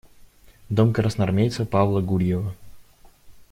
Дом красноармейца Павла Гурьева.